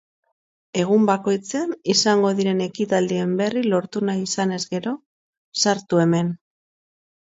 Egun bakoitzean izango diren ekitaldien berri lortu nahi izanez gero, sartu hemen.